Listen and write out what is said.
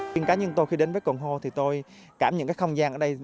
tiếng cá nhân tôi khi đến với cồn hô thì tôi cảm nhận các không gian ở đây